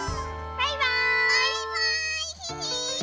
バイバーイ！